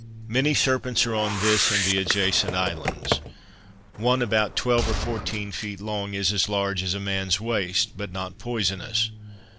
Many serpents are on this and the adjacent islands; one, about twelve or fourteen feet long, is as large as a man's waist, but not poisonous.